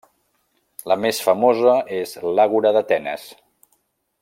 La més famosa és l'àgora d'Atenes.